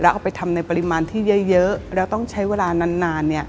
เอาไปทำในปริมาณที่เยอะแล้วต้องใช้เวลานาน